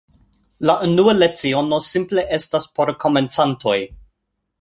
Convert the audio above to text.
La unua leciono simple estas por komencantoj.